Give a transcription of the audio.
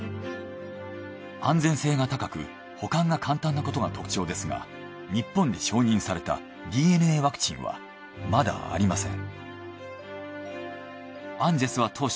安全性が高く保管が簡単なことが特徴ですが日本で承認されたＤＮＡワクチンはまだありません。